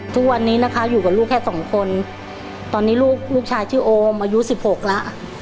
ทุกวันนี้นะคะอยู่กับลูกแค่สองคนตอนนี้ลูกลูกชายชื่อโอมอายุสิบหกแล้ว